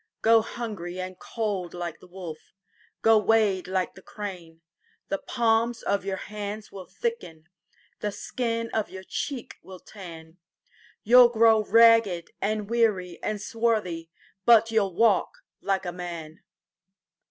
Go hungry and cold like the wolf, Go wade like the crane:The palms of your hands will thicken, The skin of your cheek will tan, You 'll grow ragged and weary and swarthy, But you 'll walk like a man!